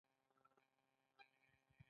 بزګران مجبور ول چې فیوډالانو ته پلونه جوړ کړي.